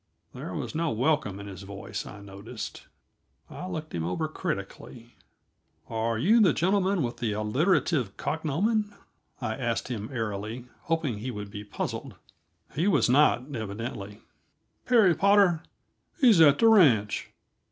There was no welcome in his voice, I noticed. I looked him over critically. "Are you the gentleman with the alliterative cognomen?" I asked him airily, hoping he would be puzzled. He was not, evidently. "Perry Potter? He's at the ranch."